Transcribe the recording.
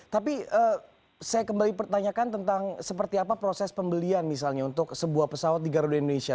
tapi saya kembali pertanyakan tentang seperti apa proses pembelian misalnya untuk sebuah pesawat di garuda indonesia